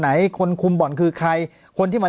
ปากกับภาคภูมิ